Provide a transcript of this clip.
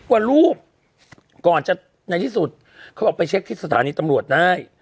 กว่ารูปก่อนจะในที่สุดเขาบอกไปเช็คที่สถานีตำรวจได้